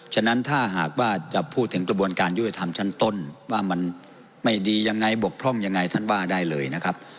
ฉะนั้นถ้าหากว่าจะพูดถึงกระบวนการยุติธรรมชั้นต้นว่ามันไม่ดียังไงบกพร่องยังไงท่านว่าได้เลยนะครับ